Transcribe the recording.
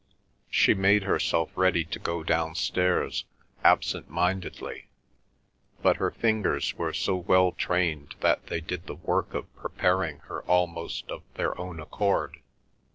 She made herself ready to go downstairs, absentmindedly, but her fingers were so well trained that they did the work of preparing her almost of their own accord.